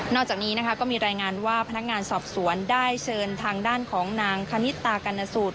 จากนี้นะคะก็มีรายงานว่าพนักงานสอบสวนได้เชิญทางด้านของนางคณิตากรณสูตร